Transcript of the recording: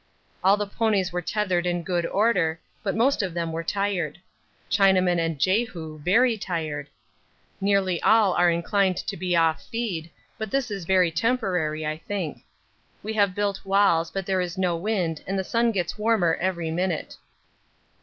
All the ponies are tethered in good order, but most of them are tired Chinaman and Jehu very tired. Nearly all are inclined to be off feed, but this is very temporary, I think. We have built walls, but there is no wind and the sun gets warmer every minute.